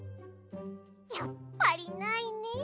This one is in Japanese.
やっぱりないね。